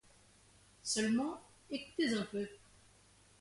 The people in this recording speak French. Seulement, écoutez un peu.